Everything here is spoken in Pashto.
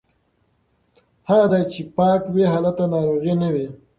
هغه ځای چې پاک وي هلته ناروغي نه وي.